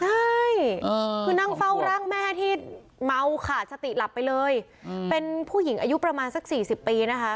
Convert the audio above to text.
ใช่คือนั่งเฝ้าร่างแม่ที่เมาขาดสติหลับไปเลยเป็นผู้หญิงอายุประมาณสัก๔๐ปีนะคะ